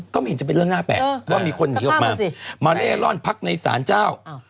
ก็ไม่เห็นจะเป็นเรื่องน่าแปลกว่ามีคนหนีออกมามาเล่ร่อนพักในศาลเจ้า